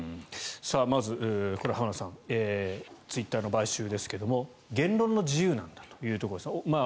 まず、浜田さんツイッターの買収ですが言論の自由なんだというところですね。